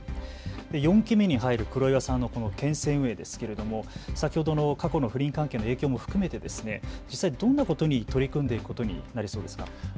４期目に入る黒岩さんのこの県政運営ですけれども先ほどの過去の不倫関係の影響も含めて実際どんなことに取り組んでいくことになりそうですか。